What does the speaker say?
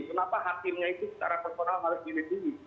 kenapa hakimnya itu secara personal harus dilindungi